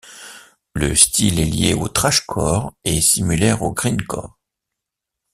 Le style est lié au thrashcore et similaire au grindcore.